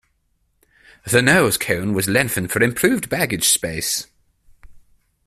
The nose cone was lengthened for improved baggage space.